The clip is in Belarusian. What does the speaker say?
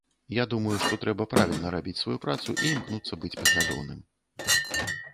Я думаю, што трэба правільна рабіць сваю працу і імкнуцца быць паслядоўным.